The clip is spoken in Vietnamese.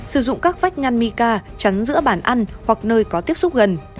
sử dụng các vách ngăn mica trắng giữa bàn ăn hoặc nơi có tiếp xúc gần